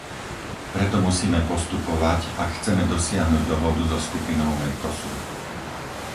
Preto musíme postupovať, ak chceme dosiahnuť dohodu so skupinou Mercosur.